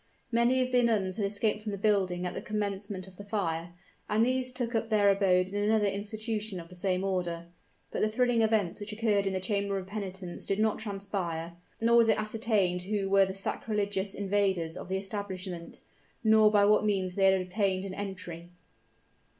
Many of the nuns had escaped from the building at the commencement of the fire; and these took up their abode in another institution of the same order. But the thrilling events which occurred in the chamber of penitence did not transpire; nor was it ascertained who were the sacrilegious invaders of the establishment, nor by what means they had obtained an entry.